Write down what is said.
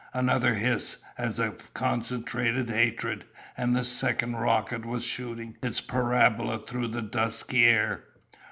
Another hiss, as of concentrated hatred, and the second rocket was shooting its parabola through the dusky air.